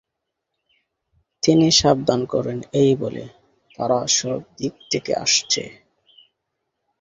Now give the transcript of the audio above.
তিনি সাবধান করেন এই বলে, "তারা সব দিক থেকে আসছে।"